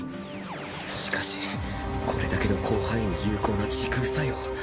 しかしこれだけの広範囲に有効な時空作用。